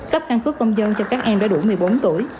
cấp căn cước công dân cho các em đã đủ một mươi bốn tuổi